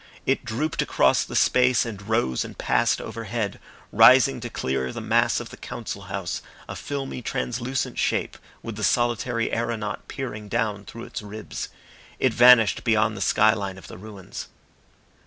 It drooped across the space and rose and passed overhead, rising to clear the mass of the Council House, a filmy translucent shape with the solitary aeronaut peering down through its ribs. It vanished beyond the skyline of the ruins.